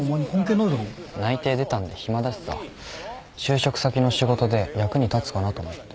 内定出たんで暇だしさ就職先の仕事で役に立つかなと思って。